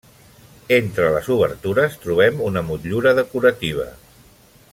Entre les obertures trobem una motllura decorativa.